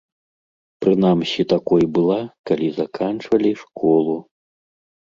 Прынамсі такой была, калі заканчвалі школу.